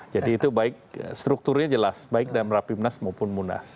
jadi itu baik strukturnya jelas baik darul rapimnas maupun munas